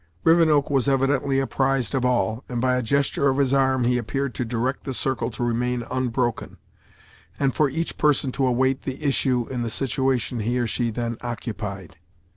Rivenoak was evidently apprised of all, and by a gesture of his arm he appeared to direct the circle to remain unbroken, and for each person to await the issue in the situation he or she then occupied.